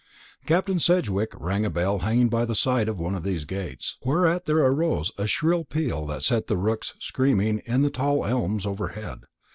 Captain Sedgewick rang a bell hanging by the side of one of these gates, whereat there arose a shrill peal that set the rooks screaming in the tall elms overhead.